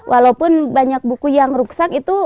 walaupun banyak buku yang rusak itu